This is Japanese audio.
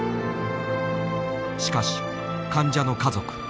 しかし患者の家族。